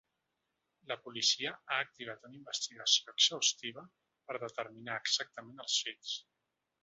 La policia ha activat una investigació exhaustiva per determinar exactament els fets.